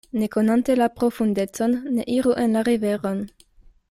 Ne konante la profundecon, ne iru en la riveron.